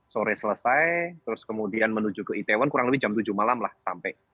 sore selesai terus kemudian menuju ke itaewon kurang lebih jam tujuh malam lah sampai